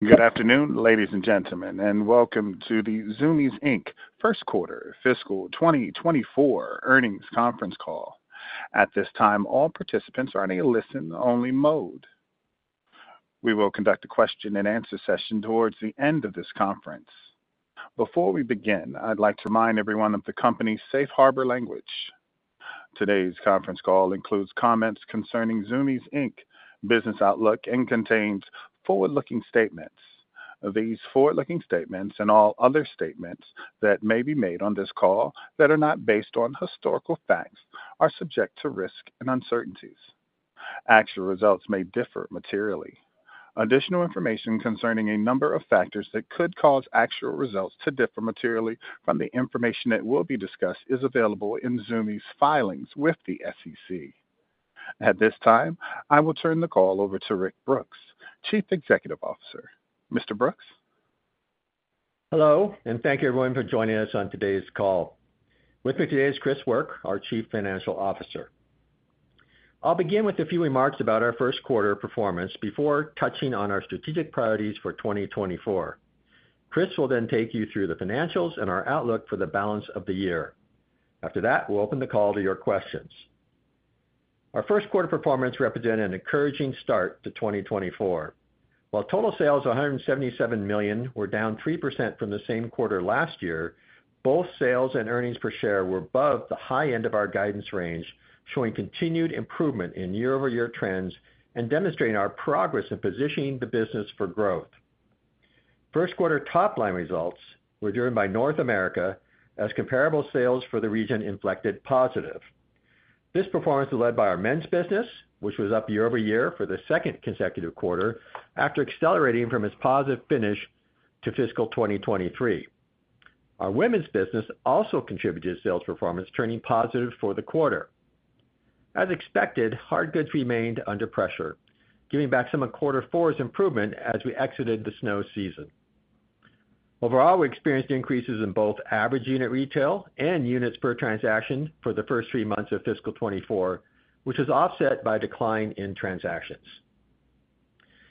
Good afternoon, ladies and gentlemen, and welcome to the Zumiez Inc. First Quarter Fiscal 2024 Earnings Conference Call. At this time, all participants are in a listen-only mode. We will conduct a question-and-answer session towards the end of this conference. Before we begin, I'd like to remind everyone of the company's Safe Harbor language. Today's conference call includes comments concerning Zumiez Inc.'s business outlook and contains forward-looking statements. These forward-looking statements, and all other statements that may be made on this call that are not based on historical facts, are subject to risk and uncertainties. Actual results may differ materially. Additional information concerning a number of factors that could cause actual results to differ materially from the information that will be discussed is available in Zumiez' filings with the SEC. At this time, I will turn the call over to Rick Brooks, Chief Executive Officer. Mr. Brooks? Hello, and thank you, everyone, for joining us on today's call. With me today is Chris Work, our Chief Financial Officer. I'll begin with a few remarks about our first quarter performance before touching on our strategic priorities for 2024. Chris will then take you through the financials and our outlook for the balance of the year. After that, we'll open the call to your questions. Our first quarter performance represented an encouraging start to 2024. While total sales of $177 million were down 3% from the same quarter last year, both sales and earnings per share were above the high end of our guidance range, showing continued improvement in year-over-year trends and demonstrating our progress in positioning the business for growth. First quarter top-line results were driven by North America, as comparable sales for the region inflected positive. This performance was led by our men's business, which was up year-over-year for the second consecutive quarter after accelerating from its positive finish to fiscal 2023. Our women's business also contributed to sales performance, turning positive for the quarter. As expected, hardgoods remained under pressure, giving back some of quarter four's improvement as we exited the snow season. Overall, we experienced increases in both average unit retail and units per transaction for the first three months of fiscal 2024, which was offset by a decline in transactions.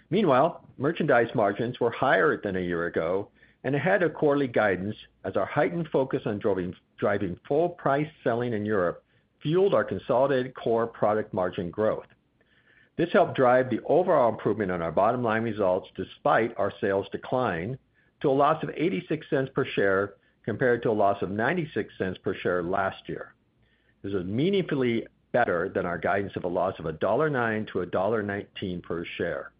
Meanwhile, merchandise margins were higher than a year ago and ahead of quarterly guidance, as our heightened focus on driving full price selling in Europe fueled our consolidated core product margin growth. This helped drive the overall improvement on our bottom-line results, despite our sales decline to a loss of $0.86 per share, compared to a loss of $0.96 per share last year. This is meaningfully better than our guidance of a loss of $1.09-$1.19 per share.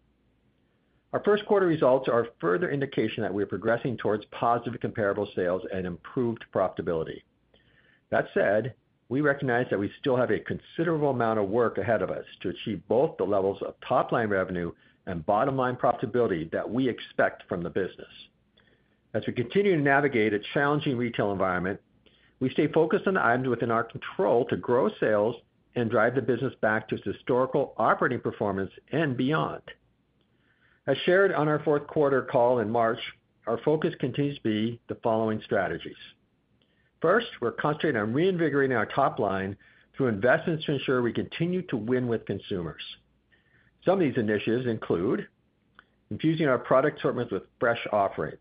Our first quarter results are a further indication that we are progressing towards positive comparable sales and improved profitability. That said, we recognize that we still have a considerable amount of work ahead of us to achieve both the levels of top-line revenue and bottom-line profitability that we expect from the business. As we continue to navigate a challenging retail environment, we stay focused on the items within our control to grow sales and drive the business back to its historical operating performance and beyond. As shared on our fourth quarter call in March, our focus continues to be the following strategies. First, we're concentrating on reinvigorating our top line through investments to ensure we continue to win with consumers. Some of these initiatives include infusing our product assortments with fresh offerings.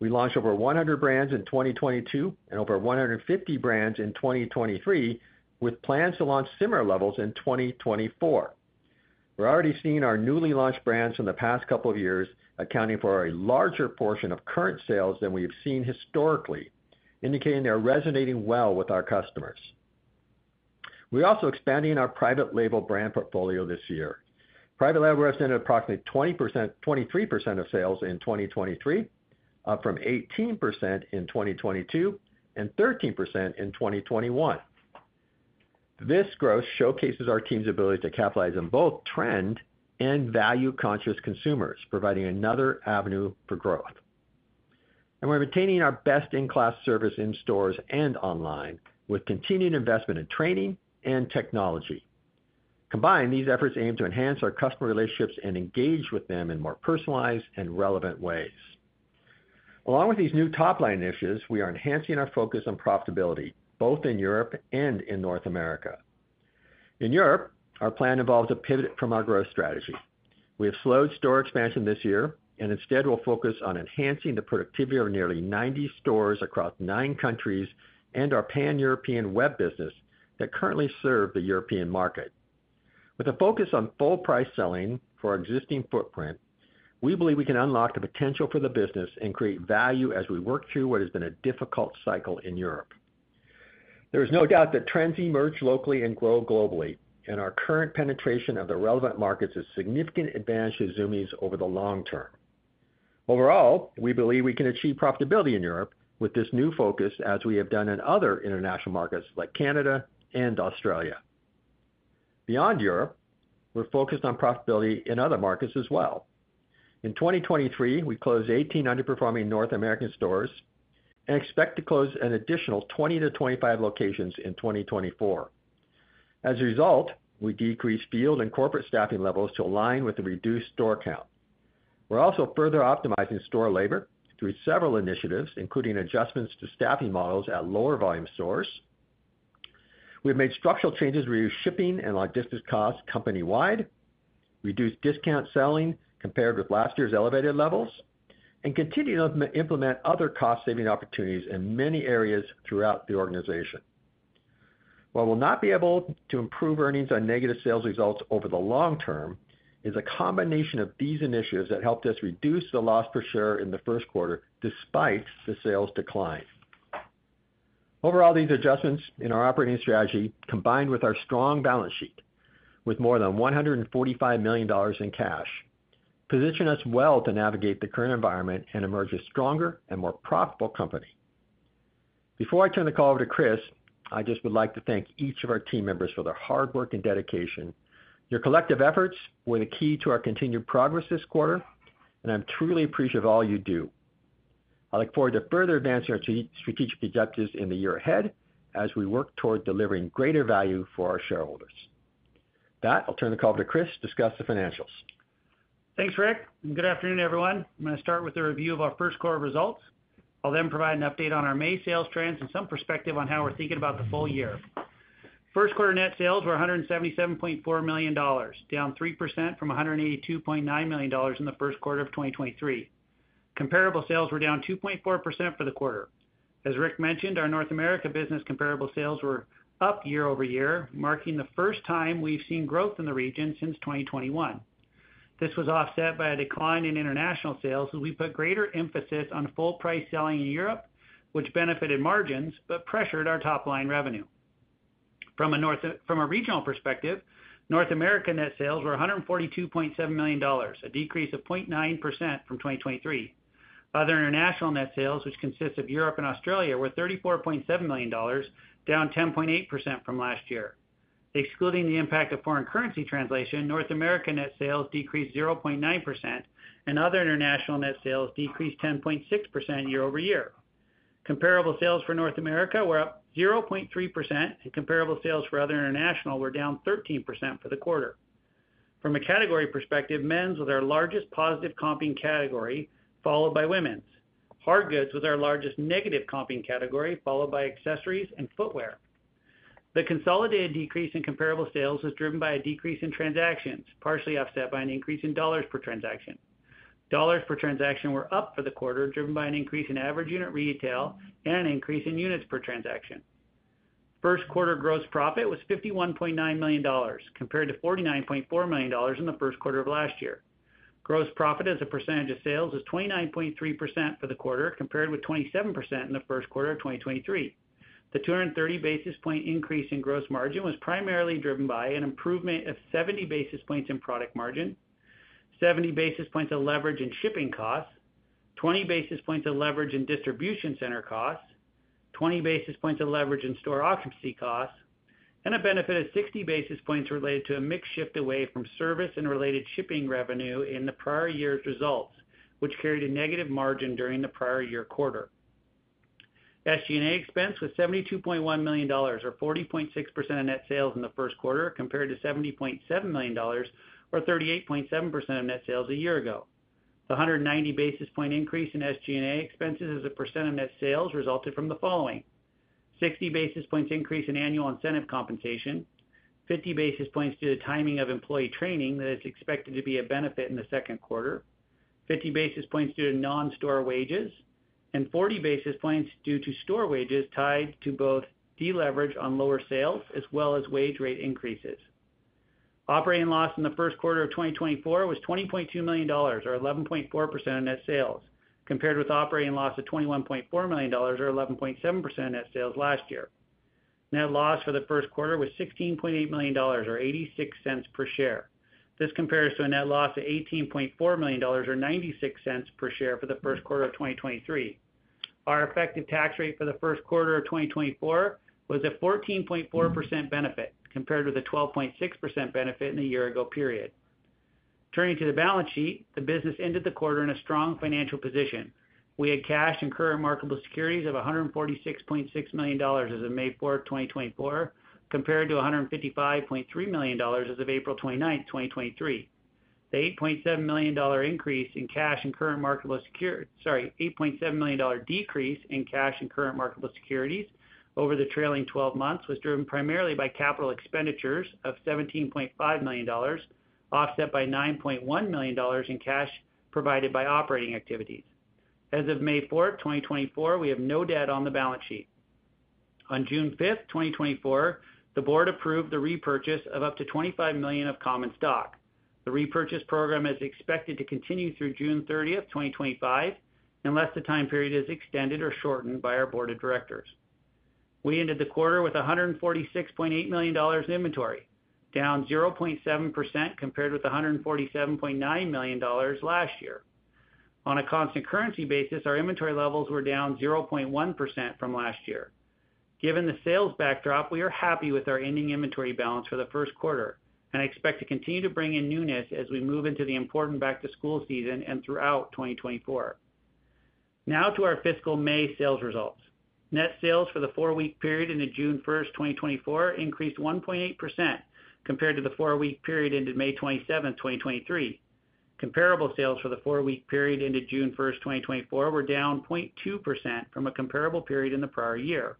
We launched over 100 brands in 2022 and over 150 brands in 2023, with plans to launch similar levels in 2024. We're already seeing our newly launched brands from the past couple of years accounting for a larger portion of current sales than we have seen historically, indicating they are resonating well with our customers. We're also expanding our private label brand portfolio this year. Private label represented approximately 20%--23% of sales in 2023, up from 18% in 2022 and 13% in 2021. This growth showcases our team's ability to capitalize on both trend and value-conscious consumers, providing another avenue for growth. We're maintaining our best-in-class service in stores and online, with continued investment in training and technology. Combined, these efforts aim to enhance our customer relationships and engage with them in more personalized and relevant ways. Along with these new top-line initiatives, we are enhancing our focus on profitability, both in Europe and in North America. In Europe, our plan involves a pivot from our growth strategy. We have slowed store expansion this year, and instead, we'll focus on enhancing the productivity of nearly 90 stores across 9 countries and our Pan-European web business that currently serve the European market. With a focus on full price selling for our existing footprint, we believe we can unlock the potential for the business and create value as we work through what has been a difficult cycle in Europe. There is no doubt that trends emerge locally and grow globally, and our current penetration of the relevant markets is a significant advantage to Zumiez over the long term. Overall, we believe we can achieve profitability in Europe with this new focus, as we have done in other international markets like Canada and Australia. Beyond Europe, we're focused on profitability in other markets as well. In 2023, we closed 18 underperforming North American stores and expect to close an additional 20-25 locations in 2024. As a result, we decreased field and corporate staffing levels to align with the reduced store count. We're also further optimizing store labor through several initiatives, including adjustments to staffing models at lower volume stores... We've made structural changes, reduced shipping and logistics costs company-wide, reduced discount selling compared with last year's elevated levels, and continued to implement other cost-saving opportunities in many areas throughout the organization. While we'll not be able to improve earnings on negative sales results over the long term, is a combination of these initiatives that helped us reduce the loss per share in the first quarter, despite the sales decline. Overall, these adjustments in our operating strategy, combined with our strong balance sheet, with more than $145 million in cash, position us well to navigate the current environment and emerge a stronger and more profitable company. Before I turn the call over to Chris, I just would like to thank each of our team members for their hard work and dedication. Your collective efforts were the key to our continued progress this quarter, and I'm truly appreciative of all you do. I look forward to further advancing our strategic objectives in the year ahead, as we work toward delivering greater value for our shareholders. With that, I'll turn the call to Chris to discuss the financials. Thanks, Rick, and good afternoon, everyone. I'm gonna start with a review of our first quarter results. I'll then provide an update on our May sales trends and some perspective on how we're thinking about the full year. First quarter net sales were $177.4 million, down 3% from $182.9 million in the first quarter of 2023. Comparable sales were down 2.4% for the quarter. As Rick mentioned, our North America business comparable sales were up year-over-year, marking the first time we've seen growth in the region since 2021. This was offset by a decline in international sales, as we put greater emphasis on full price selling in Europe, which benefited margins but pressured our top-line revenue. From a regional perspective, North America net sales were $142.7 million, a decrease of 0.9% from 2023. Other international net sales, which consists of Europe and Australia, were $34.7 million, down 10.8% from last year. Excluding the impact of foreign currency translation, North America net sales decreased 0.9%, and other international net sales decreased 10.6% year-over-year. Comparable sales for North America were up 0.3%, and comparable sales for other international were down 13% for the quarter. From a category perspective, men's was our largest positive comping category, followed by women's. Hardgoods was our largest negative comping category, followed by accessories and footwear. The consolidated decrease in comparable sales was driven by a decrease in transactions, partially offset by an increase in dollars per transaction. Dollars per transaction were up for the quarter, driven by an increase in average unit retail and an increase in units per transaction. First quarter gross profit was $51.9 million, compared to $49.4 million in the first quarter of last year. Gross profit as a percentage of sales is 29.3% for the quarter, compared with 27% in the first quarter of 2023. The 230 basis point increase in gross margin was primarily driven by an improvement of 70 basis points in product margin, 70 basis points of leverage in shipping costs, 20 basis points of leverage in distribution center costs, 20 basis points of leverage in store occupancy costs, and a benefit of 60 basis points related to a mix shift away from service and related shipping revenue in the prior year's results, which carried a negative margin during the prior year quarter. SG&A expense was $72.1 million, or 40.6% of net sales in the first quarter, compared to $70.7 million, or 38.7% of net sales a year ago. The 190 basis point increase in SG&A expenses as a percent of net sales resulted from the following: 60 basis points increase in annual incentive compensation, 50 basis points due to timing of employee training that is expected to be a benefit in the second quarter, 50 basis points due to non-store wages, and 40 basis points due to store wages tied to both deleverage on lower sales as well as wage rate increases. Operating loss in the first quarter of 2024 was $20.2 million or 11.4% of net sales, compared with operating loss of $21.4 million or 11.7% of net sales last year. Net loss for the first quarter was $16.8 million or $0.86 per share. This compares to a net loss of $18.4 million or $0.96 per share for the first quarter of 2023. Our effective tax rate for the first quarter of 2024 was a 14.4% benefit, compared with a 12.6% benefit in the year ago period. Turning to the balance sheet, the business ended the quarter in a strong financial position. We had cash and current marketable securities of $146.6 million as of May 4, 2024, compared to $155.3 million as of April 29, 2023. The $8.7 million increase in cash and current marketable securities. Sorry, $8.7 million decrease in cash and current marketable securities over the trailing twelve months was driven primarily by capital expenditures of $17.5 million, offset by $9.1 million in cash provided by operating activities. As of May 4, 2024, we have no debt on the balance sheet. On June 5, 2024, the board approved the repurchase of up to $25 million of common stock. The repurchase program is expected to continue through June 30, 2025, unless the time period is extended or shortened by our board of directors. We ended the quarter with $146.8 million in inventory, down 0.7%, compared with $147.9 million last year. On a constant currency basis, our inventory levels were down 0.1% from last year. Given the sales backdrop, we are happy with our ending inventory balance for the first quarter, and I expect to continue to bring in newness as we move into the important back-to-school season and throughout 2024. Now to our fiscal May sales results. Net sales for the four-week period into June 1, 2024, increased 1.8% compared to the four-week period into May 27, 2023. Comparable sales for the four-week period into June 1, 2024, were down 0.2% from a comparable period in the prior year.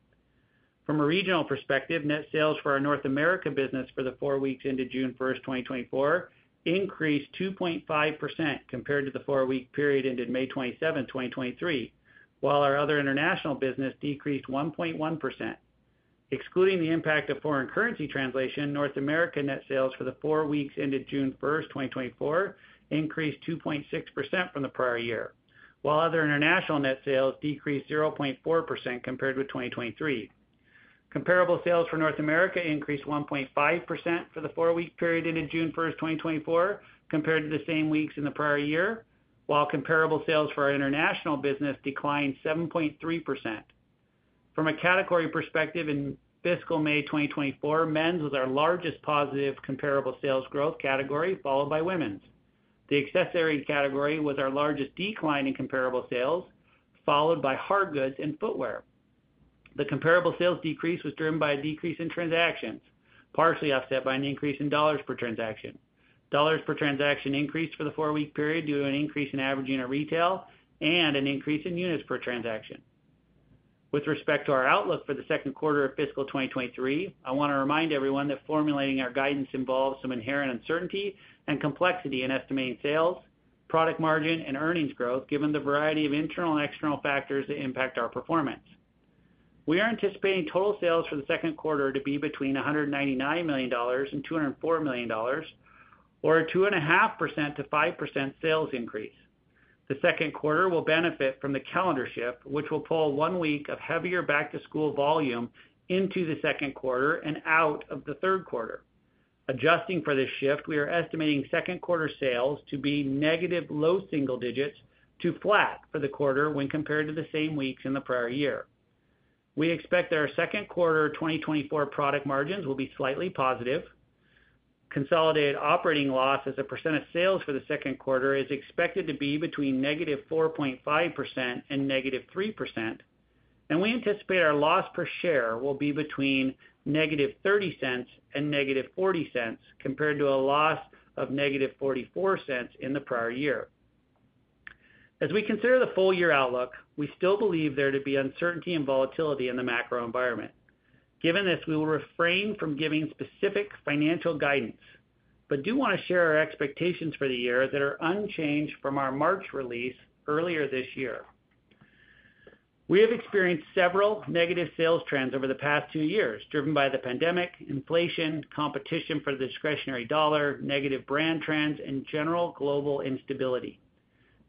From a regional perspective, net sales for our North America business for the four weeks into June 1, 2024, increased 2.5% compared to the four-week period ended May 27, 2023, while our other international business decreased 1.1%. Excluding the impact of foreign currency translation, North America net sales for the four weeks ended June 1st, 2024, increased 2.6% from the prior year, while other international net sales decreased 0.4% compared with 2023. Comparable sales for North America increased 1.5% for the four-week period ended June 1st, 2024, compared to the same weeks in the prior year, while comparable sales for our international business declined 7.3%. From a category perspective, in fiscal May 2024, men's was our largest positive comparable sales growth category, followed by women's. The accessories category was our largest decline in comparable sales, followed by hardgoods and footwear. The comparable sales decrease was driven by a decrease in transactions, partially offset by an increase in dollars per transaction. Dollars per transaction increased for the four-week period due to an increase in average unit retail and an increase in units per transaction. With respect to our outlook for the second quarter of fiscal 2023, I wanna remind everyone that formulating our guidance involves some inherent uncertainty and complexity in estimating sales, product margin, and earnings growth, given the variety of internal and external factors that impact our performance. We are anticipating total sales for the second quarter to be between $199 million and $204 million, or a 2.5%-5% sales increase. The second quarter will benefit from the calendar shift, which will pull one week of heavier back-to-school volume into the second quarter and out of the third quarter. Adjusting for this shift, we are estimating second quarter sales to be negative low single digits to flat for the quarter when compared to the same weeks in the prior year. We expect our second quarter 2024 product margins will be slightly positive. Consolidated operating loss as a percent of sales for the second quarter is expected to be between -4.5% and -3%, and we anticipate our loss per share will be between -$0.30 and -$0.40, compared to a loss of -$0.44 in the prior year. As we consider the full year outlook, we still believe there to be uncertainty and volatility in the macro environment. Given this, we will refrain from giving specific financial guidance, but do wanna share our expectations for the year that are unchanged from our March release earlier this year. We have experienced several negative sales trends over the past two years, driven by the pandemic, inflation, competition for the discretionary dollar, negative brand trends, and general global instability.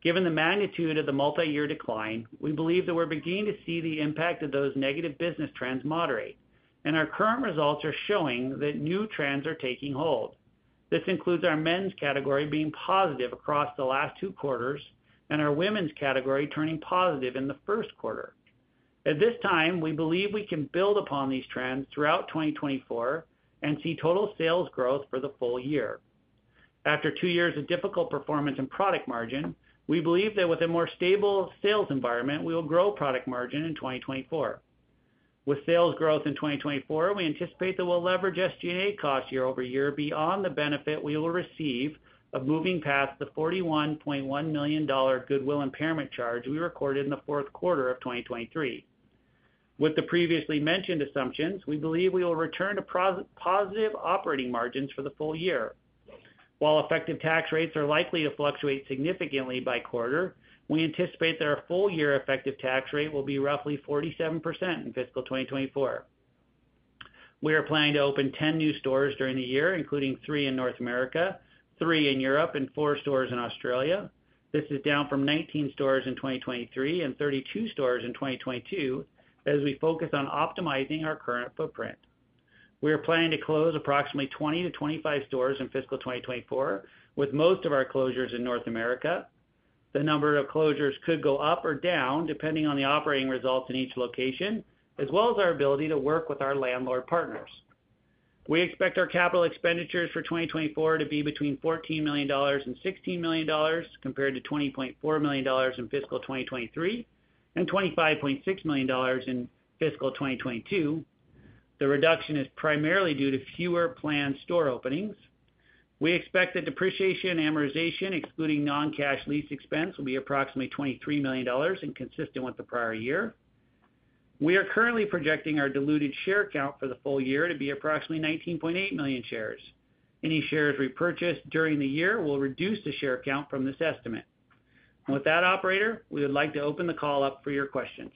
Given the magnitude of the multiyear decline, we believe that we're beginning to see the impact of those negative business trends moderate, and our current results are showing that new trends are taking hold. This includes our men's category being positive across the last two quarters and our women's category turning positive in the first quarter. At this time, we believe we can build upon these trends throughout 2024 and see total sales growth for the full year. After two years of difficult performance in product margin, we believe that with a more stable sales environment, we will grow product margin in 2024. With sales growth in 2024, we anticipate that we'll leverage SG&A costs year-over-year beyond the benefit we will receive of moving past the $41.1 million goodwill impairment charge we recorded in the fourth quarter of 2023. With the previously mentioned assumptions, we believe we will return to positive operating margins for the full year. While effective tax rates are likely to fluctuate significantly by quarter, we anticipate that our full year effective tax rate will be roughly 47% in fiscal 2024. We are planning to open 10 new stores during the year, including three in North America, three in Europe, and four stores in Australia. This is down from 19 stores in 2023 and 32 stores in 2022, as we focus on optimizing our current footprint. We are planning to close approximately 20-25 stores in fiscal 2024, with most of our closures in North America. The number of closures could go up or down, depending on the operating results in each location, as well as our ability to work with our landlord partners. We expect our capital expenditures for 2024 to be between $14 million and $16 million, compared to $20.4 million in fiscal 2023 and $25.6 million in fiscal 2022. The reduction is primarily due to fewer planned store openings. We expect that depreciation and amortization, excluding non-cash lease expense, will be approximately $23 million and consistent with the prior year. We are currently projecting our diluted share count for the full year to be approximately 19.8 million shares. Any shares repurchased during the year will reduce the share count from this estimate. With that, operator, we would like to open the call up for your questions.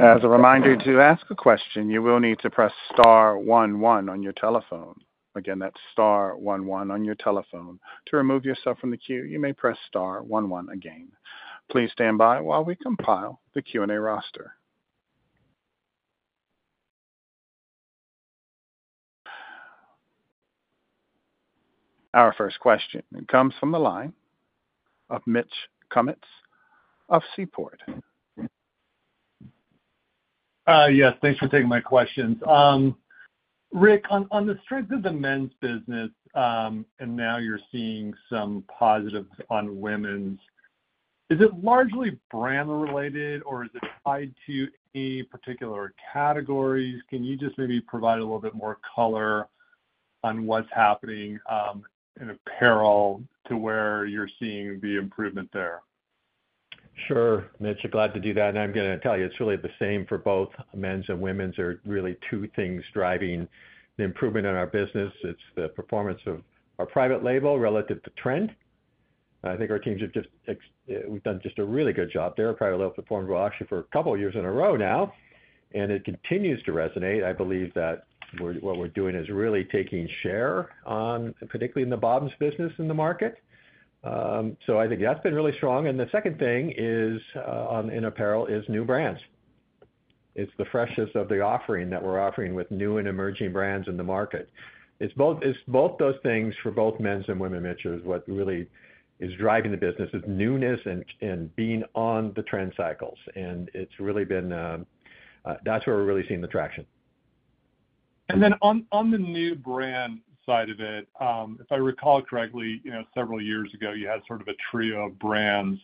As a reminder, to ask a question, you will need to press star one one on your telephone. Again, that's star one one on your telephone. To remove yourself from the queue, you may press star one one again. Please stand by while we compile the Q&A roster. Our first question comes from the line of Mitch Kummetz of Seaport. Yes, thanks for taking my questions. Rick, on the strength of the men's business, and now you're seeing some positives on women's.... Is it largely brand related or is it tied to any particular categories? Can you just maybe provide a little bit more color on what's happening, in apparel to where you're seeing the improvement there? Sure, Mitch, glad to do that. And I'm gonna tell you, it's really the same for both men's and women's. There are really two things driving the improvement in our business. It's the performance of our private label relative to trend. I think our teams have just, we've done just a really good job there, probably well performed, well, actually, for a couple of years in a row now, and it continues to resonate. I believe that we're, what we're doing is really taking share on, particularly in the bottoms business in the market. So I think that's been really strong. And the second thing is, in apparel, is new brands. It's the freshness of the offering that we're offering with new and emerging brands in the market. It's both, it's both those things for both men's and women's, Mitch, is what really is driving the business. It's newness and being on the trend cycles, and it's really been that's where we're really seeing the traction. And then on the new brand side of it, if I recall correctly, you know, several years ago, you had sort of a trio of brands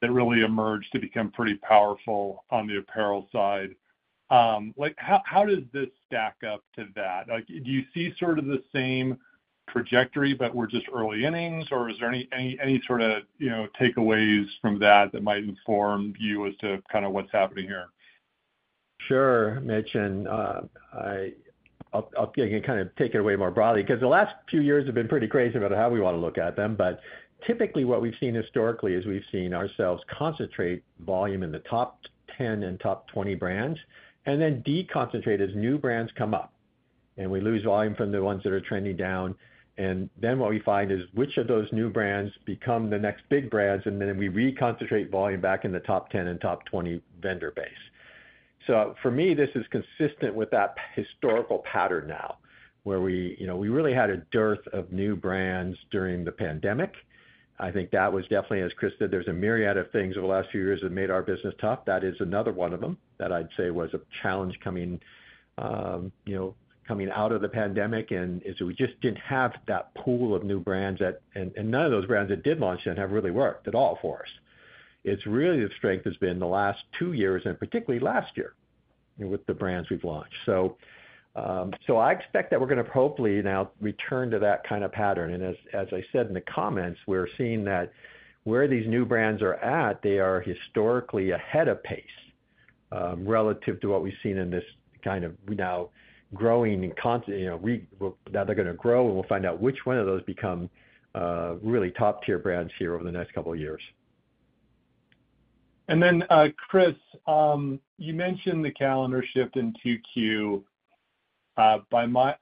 that really emerged to become pretty powerful on the apparel side. Like, how does this stack up to that? Like, do you see sort of the same trajectory, but we're just early innings, or is there any sort of, you know, takeaways from that, that might inform you as to kind of what's happening here? Sure, Mitch, and I'll, again, kind of take it away more broadly, because the last few years have been pretty crazy about how we want to look at them. But typically, what we've seen historically is we've seen ourselves concentrate volume in the top 10 and top 20 brands, and then deconcentrate as new brands come up, and we lose volume from the ones that are trending down. And then what we find is which of those new brands become the next big brands, and then we reconcentrate volume back in the top 10 and top 20 vendor base. So for me, this is consistent with that historical pattern now, where we, you know, we really had a dearth of new brands during the pandemic. I think that was definitely, as Chris said, there's a myriad of things over the last few years that made our business tough. That is another one of them that I'd say was a challenge coming, you know, coming out of the pandemic, and is we just didn't have that pool of new brands that... And none of those brands that did launch then have really worked at all for us. It's really the strength has been the last two years, and particularly last year, with the brands we've launched. So I expect that we're gonna hopefully now return to that kind of pattern. And as I said in the comments, we're seeing that where these new brands are at, they are historically ahead of pace, relative to what we've seen in this kind of now growing and constant, you know, well, now they're gonna grow, and we'll find out which one of those become really top-tier brands here over the next couple of years. Chris, you mentioned the calendar shift in Q2. By my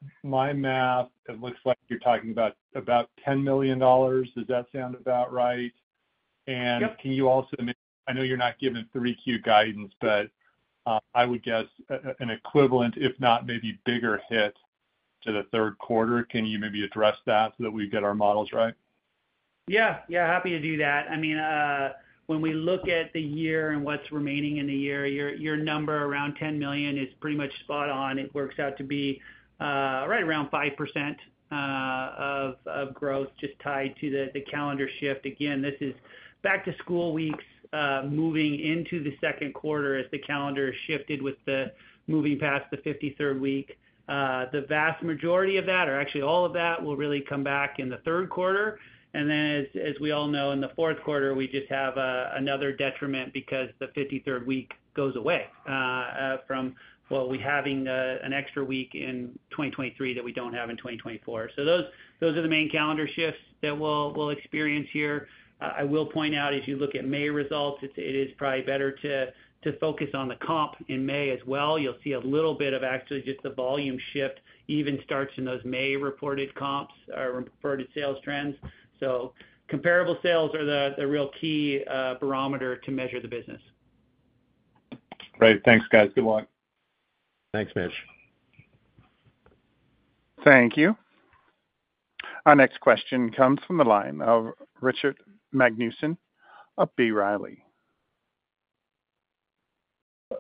math, it looks like you're talking about $10 million. Does that sound about right? Yep. Can you also, I know you're not giving 3Q guidance, but, I would guess an equivalent, if not maybe bigger hit to the third quarter. Can you maybe address that so that we get our models right? Yeah, yeah, happy to do that. I mean, when we look at the year and what's remaining in the year, your number around $10 million is pretty much spot on. It works out to be, right around 5%, of growth, just tied to the calendar shift. Again, this is back to school weeks, moving into the second quarter as the calendar shifted with the moving past the 53rd week. The vast majority of that, or actually all of that, will really come back in the third quarter. And then, as we all know, in the fourth quarter, we just have another detriment because the 53rd week goes away, from well, we having an extra week in 2023 that we don't have in 2024. So those are the main calendar shifts that we'll experience here. I will point out, as you look at May results, it is probably better to focus on the comp in May as well. You'll see a little bit of actually just the volume shift even starts in those May reported comps or reported sales trends. So comparable sales are the real key barometer to measure the business. Great. Thanks, guys. Good luck. Thanks, Mitch. Thank you. Our next question comes from the line of Richard Magnusen of B. Riley.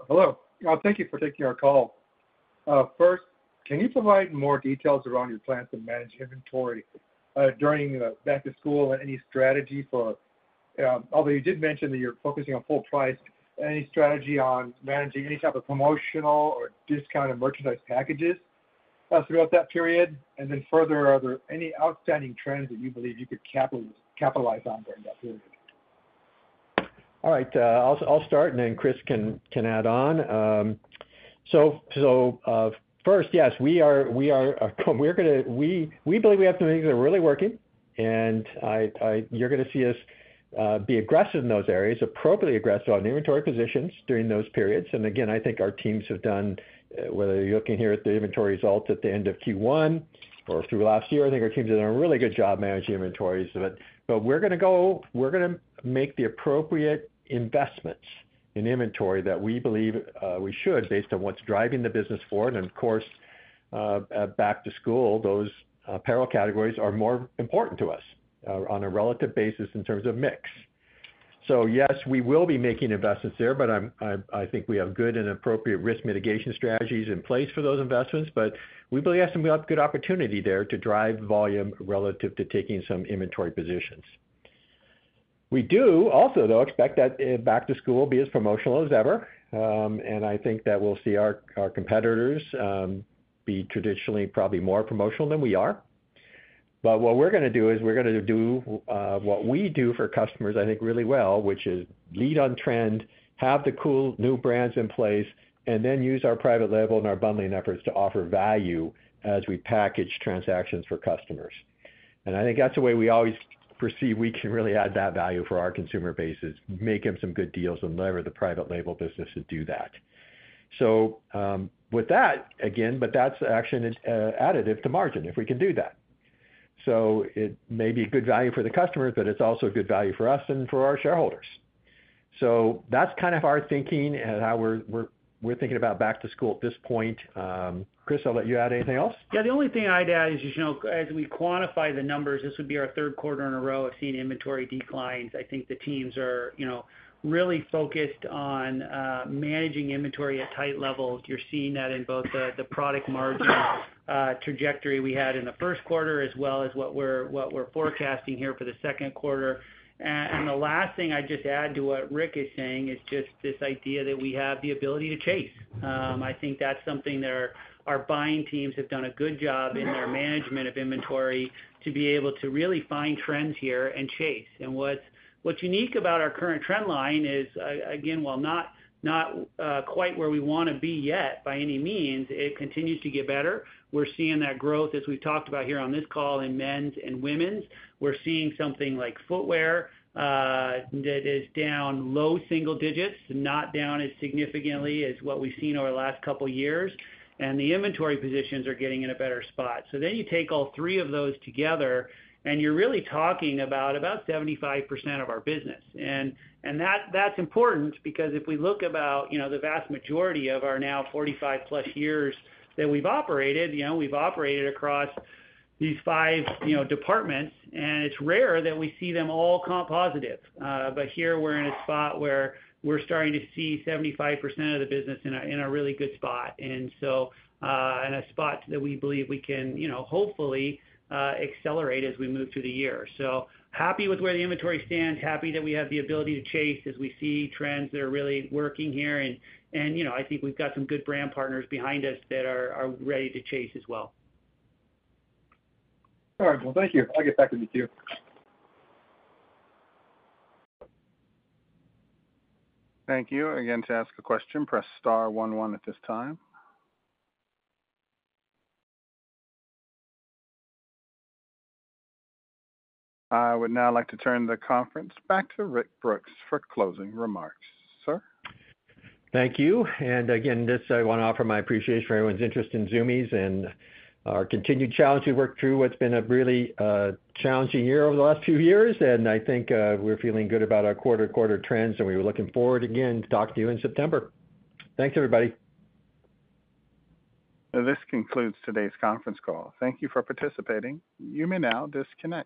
Hello. Thank you for taking our call. First, can you provide more details around your plans to manage inventory during the back to school and any strategy for—although you did mention that you're focusing on full price, any strategy on managing any type of promotional or discounted merchandise packages throughout that period? And then further, are there any outstanding trends that you believe you could capitalize on during that period? All right, I'll start, and then Chris can add on. So first, yes, we believe we have some things that are really working, and you're gonna see us be aggressive in those areas, appropriately aggressive on inventory positions during those periods. And again, I think our teams have done whether you're looking here at the inventory results at the end of Q1 or through last year, I think our teams are doing a really good job managing inventories. But we're gonna make the appropriate investments in inventory that we believe we should, based on what's driving the business forward. And of course, at back to school, those apparel categories are more important to us on a relative basis in terms of mix. So yes, we will be making investments there, but I think we have good and appropriate risk mitigation strategies in place for those investments. But we believe we have some good opportunity there to drive volume relative to taking some inventory positions. We do also, though, expect that back to school will be as promotional as ever. And I think that we'll see our competitors be traditionally probably more promotional than we are. But what we're gonna do is we're gonna do what we do for customers, I think, really well, which is lead on trend, have the cool new brands in place, and then use our private label and our bundling efforts to offer value as we package transactions for customers. I think that's the way we always foresee we can really add that value for our consumer bases, make them some good deals and lever the private label business to do that. So, with that, again, but that's actually additive to margin if we can do that. So it may be good value for the customer, but it's also a good value for us and for our shareholders. So that's kind of our thinking and how we're thinking about back to school at this point. Chris, I'll let you add anything else? Yeah, the only thing I'd add is, you know, as we quantify the numbers, this would be our third quarter in a row of seeing inventory declines. I think the teams are, you know, really focused on managing inventory at tight levels. You're seeing that in both the product margin trajectory we had in the first quarter, as well as what we're forecasting here for the second quarter. And the last thing I'd just add to what Rick is saying is just this idea that we have the ability to chase. I think that's something that our buying teams have done a good job in their management of inventory, to be able to really find trends here and chase. What's unique about our current trend line is, again, while not quite where we wanna be yet, by any means, it continues to get better. We're seeing that growth, as we've talked about here on this call, in men's and women's. We're seeing something like footwear that is down low single digits, not down as significantly as what we've seen over the last couple of years. And the inventory positions are getting in a better spot. So then you take all three of those together, and you're really talking about 75% of our business. And that, that's important because if we look about, you know, the vast majority of our now 45+ years that we've operated, you know, we've operated across these five, you know, departments, and it's rare that we see them all comp positive. But here we're in a spot where we're starting to see 75% of the business in a really good spot, and so, in a spot that we believe we can, you know, hopefully, accelerate as we move through the year. So happy with where the inventory stands, happy that we have the ability to chase as we see trends that are really working here. And, you know, I think we've got some good brand partners behind us that are ready to chase as well. All right. Well, thank you. I'll get back with you, too. Thank you. Again, to ask a question, press star one one at this time. I would now like to turn the conference back to Rick Brooks for closing remarks. Sir? Thank you. And again, just I wanna offer my appreciation for everyone's interest in Zumiez and our continued challenge to work through what's been a really, challenging year over the last few years. And I think, we're feeling good about our quarter-to-quarter trends, and we're looking forward, again, to talk to you in September. Thanks, everybody. This concludes today's conference call. Thank you for participating. You may now disconnect.